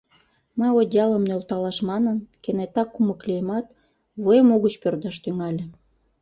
Мый одеялым нӧлталаш манын, кенета кумык лийымат, вуем угыч пӧрдаш тӱҥале.